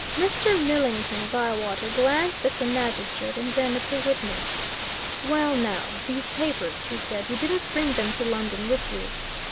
Mr. Millington Bywater glanced at the magistrate and then at the witness. "Well, now, these papers?" he said. "You didn't bring them to London with you?"